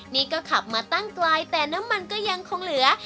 นี่ก็ขับมาตั้งไกลแต่น้ำมันก็ยังคงเหลือ